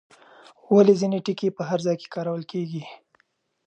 ولې ځینې ټکي په هر ځای کې کارول کېږي؟